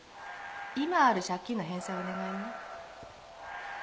今ある借金の返済をお願いね